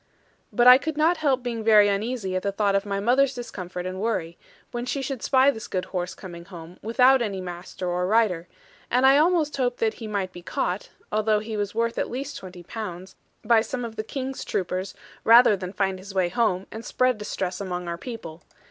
But I could not help being very uneasy at the thought of my mother's discomfort and worry, when she should spy this good horse coming home, without any master, or rider, and I almost hoped that he might be caught (although he was worth at least twenty pounds) by some of the King's troopers, rather than find his way home, and spread distress among our people.